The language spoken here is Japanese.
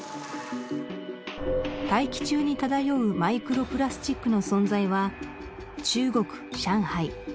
大気中に漂うマイクロプラスチックの存在は中国・上海